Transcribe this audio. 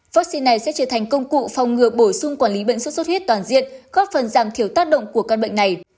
vắc xin này sẽ trở thành công cụ phòng ngừa bổ sung quản lý bệnh xuất xuất huyết toàn diện góp phần giảm thiểu tác động của các bệnh này